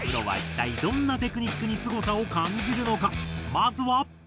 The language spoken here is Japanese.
まずは。